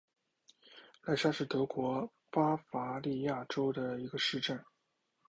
赖沙是德国巴伐利亚州的一个市镇。